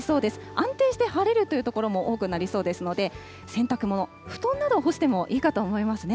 安定して晴れるという所も多くなりそうですので、洗濯物、布団などを干してもいいかと思いますね。